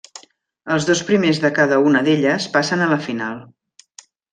Els dos primers de cada una d'elles passen a la final.